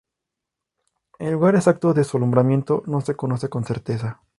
El lugar exacto de su alumbramiento no se conoce con certeza.